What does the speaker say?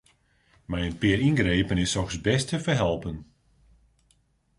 Mei in pear yngrepen is soks bêst te ferhelpen.